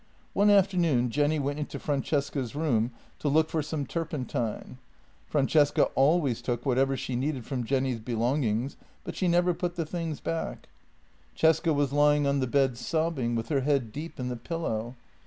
One afternoon Jenny went into Francesca's room to look for some turpentine. Francesca always took whatever she needed from Jenny's belongings, but she never put the things back. JENNY 77 Cesca was lying on the bed sobbing, with her head deep in the pillow.